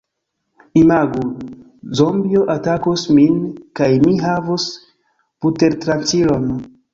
Imagu... zombio atakus min kaj mi havus butertranĉilon